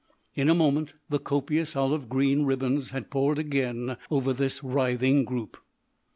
In a moment the copious olive green ribbons had poured again over this writhing group.